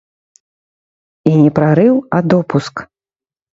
І не прарыў, а допуск.